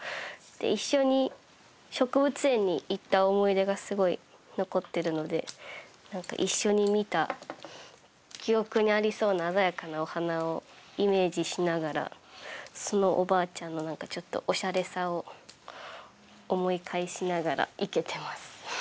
で一緒に植物園に行った思い出がすごい残ってるので何か一緒に見た記憶にありそうな鮮やかなお花をイメージしながらそのおばあちゃんの何かちょっとオシャレさを思い返しながら生けてます。